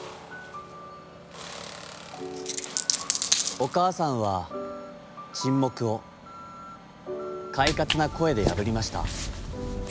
「おかあさんは沈黙を、快活な声でやぶりました。